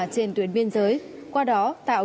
trên tuyến biên giới qua đó tạo